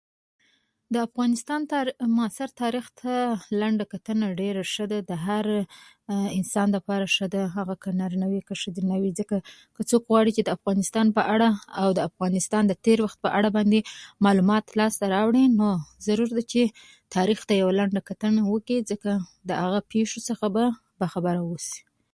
د افغانستان تاری معاصر تاریخ ته لنډه کتنه ډېره شه ده. د هر انسان لپاره شه ده، هغه که نارينه وي، که شځينه وي؛ ځکه که څوک غواړي چې د افغانستان په اړه، او د افغانستان د تېر وخت په اړه باندې معلومات لاسته راوړي، نو ضرور ده چې تاریخ ته یوه لنډه کتنه وکي، د هغو پیشو څخه باخبر واوسي.